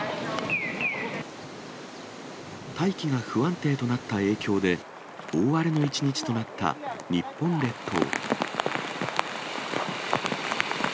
大気が不安定となった影響で、大荒れの一日となった日本列島。